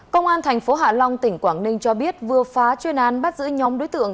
công an thành phố hạ long tỉnh quảng ninh cho biết vừa phá chuyên án bắt giữ nhóm đối tượng